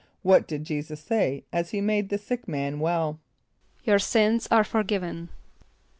= What did J[=e]´[s+]us say as he made the sick man well? ="Your sins are forgiven."